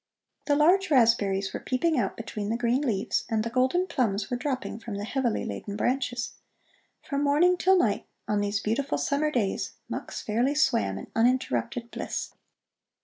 The large raspberries were peeping out between the green leaves, and the golden plums were dropping from the heavily laden branches. From morning till night on these beautiful summer days Mux fairly swam in uninterrupted bliss.